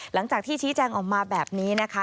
หลังจากที่ชี้แจงออกมาแบบนี้นะคะ